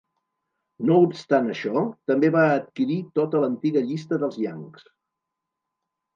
No obstant això, també va adquirir tota l'antiga llista dels Yanks.